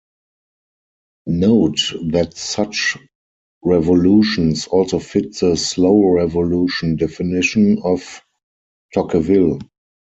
Note that such revolutions also fit the "slow revolution" definition of Tocqueville.